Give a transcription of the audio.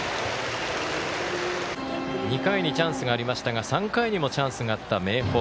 ２回にチャンスがありましたが３回にもチャンスがあった、明豊。